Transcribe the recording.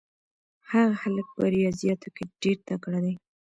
هغه هلک په ریاضیاتو کې ډېر تکړه دی.